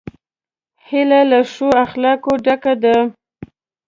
هیلۍ له ښو اخلاقو ډکه ده